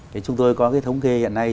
thế chúng tôi có cái thống kê hiện nay